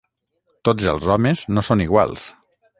Tots els homes no són iguals.